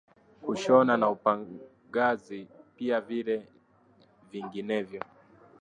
Kushona na upagazi, pia vile vyenginevyo